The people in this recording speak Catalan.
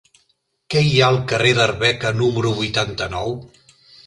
Què hi ha al carrer d'Arbeca número vuitanta-nou?